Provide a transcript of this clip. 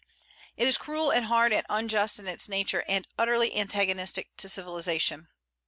It is cruel and hard and unjust in its nature, and utterly antagonistic to civilization.